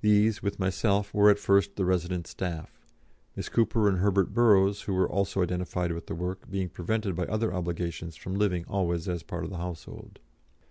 These, with myself, were at first the resident staff, Miss Cooper and Herbert Burrows, who were also identified with the work, being prevented by other obligations from living always as part of the household.